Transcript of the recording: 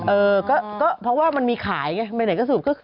เออก็เพราะว่ามันมีขายไงไปไหนก็สูบ